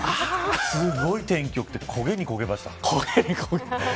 すごい天気良くて焦げに焦げました。